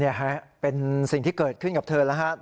ฮะเป็นสิ่งที่เกิดขึ้นกับเธอแล้วครับ